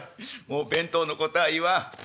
もう弁当のことは言わん。